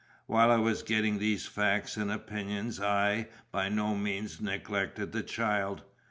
While I was getting these facts and opinions, I by no means neglected the child.